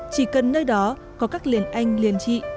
chỉ cần nơi đó có các liền anh liền trị